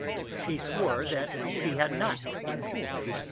She swore that she had not.